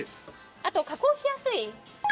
あと加工しやすい。